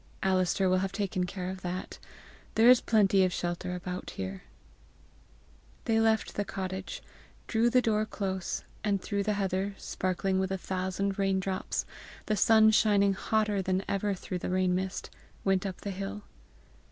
"Alister will have taken care of that. There is plenty of shelter about here." They left the cottage, drew the door close, and through the heather, sparkling with a thousand rain drops, the sun shining hotter than ever through the rain mist, went up the hill.